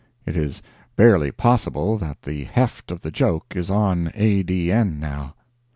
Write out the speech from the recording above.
{It is barely possible that the heft of the joke is on A.D.N., now.